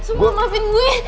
semua maafin gue